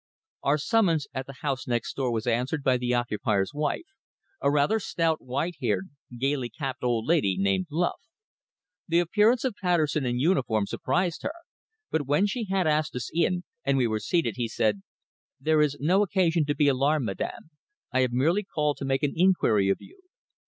Our summons at the house next door was answered by the occupier's wife, a rather stout, white haired, gaily capped old lady named Luff. The appearance of Patterson in uniform surprised her, but when she had asked us in, and we were seated, he said "There is no occasion to be alarmed, madam. I have merely called to make an inquiry of you.